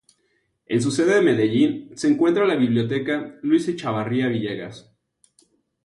En su sede de Medellín se encuentra la Biblioteca Luis Echavarría Villegas.